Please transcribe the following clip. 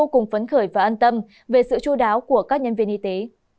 các em cũng được phấn khởi và an tâm về sự chú đáo của các nhân viên y tế